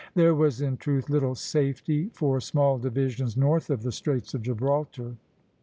There was in truth little safety for small divisions north of the Straits of Gibraltar.